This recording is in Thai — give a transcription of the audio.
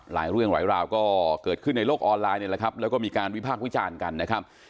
หลายเรื่องหลายราวก็เกิดขึ้นในโลกออนไลน์แล้วก็มีการวิภาควิจารณ์กันนะครับ